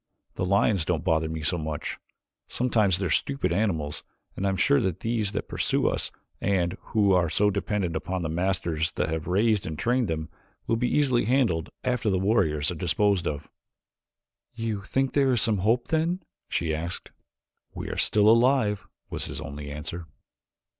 The lions don't bother me so much. Sometimes they are stupid animals, and I am sure that these that pursue us, and who are so dependent upon the masters that have raised and trained them, will be easily handled after the warriors are disposed of." "You think there is some hope, then?" she asked. "We are still alive," was his only answer.